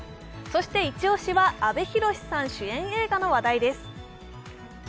そしてイチ押しは阿部寛さん主演映画の話題です。